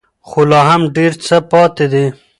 خو لا هم ډېر څه پاتې دي.